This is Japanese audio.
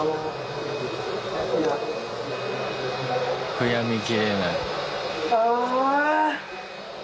悔やみきれない。